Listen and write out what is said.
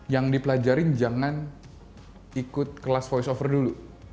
yang dipelajarin jangan ikut kelas voice over dulu